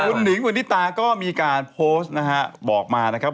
คุณหนิงวันนิตาก็มีการโพสต์นะฮะบอกมานะครับ